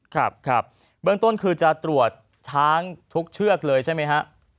ครับครับเบื้องต้นคือจะตรวจช้างทุกเชือกเลยใช่ไหมฮะ